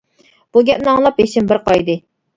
بۇ گەپنى ئاڭلاپ بېشىم بىر قايدى.